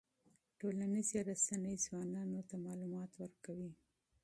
ټولنیزې رسنۍ ځوانانو ته معلومات ورکوي.